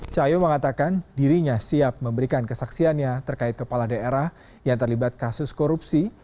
cahyo mengatakan dirinya siap memberikan kesaksiannya terkait kepala daerah yang terlibat kasus korupsi